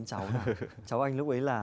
cháu của anh lúc ấy là